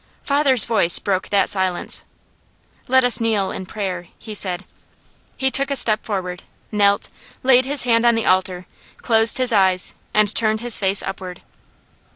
Father's voice broke that silence. "Let us kneel in prayer," he said. He took a step forward, knelt, laid his hands on the altar, closed his eyes and turned his face upward.